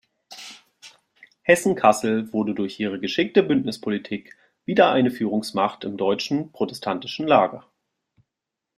Hessen-Kassel wurde durch ihre geschickte Bündnispolitik wieder eine Führungsmacht im deutschen protestantischen Lager.